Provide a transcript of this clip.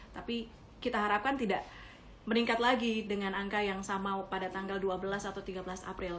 tapi kita harapkan tidak meningkat lagi dengan angka yang sama pada tanggal dua belas atau tiga belas april